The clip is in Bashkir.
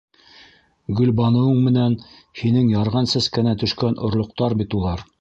Гөлбаныуың менән һинең ярған сәскәнән төшкән орлоҡтар бит улар!